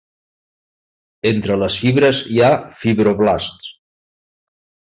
Entre les fibres hi ha fibroblasts.